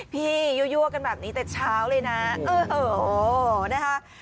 ยั่วกันแบบนี้แต่เช้าเลยนะโอ้โหนะคะ